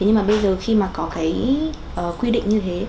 nhưng mà bây giờ khi có quy định như thế